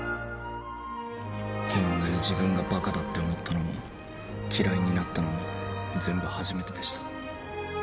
こんなに自分がばかだって思ったのも嫌いになったのも全部初めてでした。